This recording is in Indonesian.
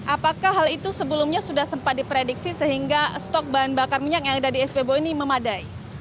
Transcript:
apakah hal itu sebelumnya sudah sempat diprediksi sehingga stok bahan bakar minyak yang ada di spbu ini memadai